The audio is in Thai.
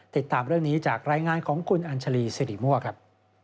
ติดตามเรื่องนี้จากรายงานของคุณอัญชาลีสิริมั่วครับ